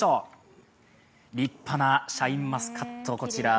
立派なシャインマスカット。